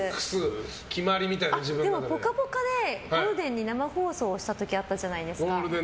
「ぽかぽか」でゴールデンに生放送したことあったじゃないですか。